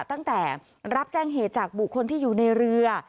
ตั้งแต่รับแจ้งเหตุจากบุคคลที่อยู่ในเรือ